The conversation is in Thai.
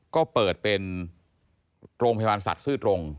ก็เปิดเป็นโรงพยาบาลสัตว์ซื่อตรง